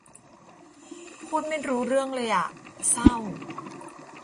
พูดไม่รู้เรื่องเลยอ่ะ เศร้า